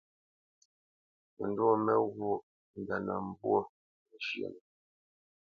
Məndwô mé ghwôʼ mbénə̄ mbwô məzhə́nə.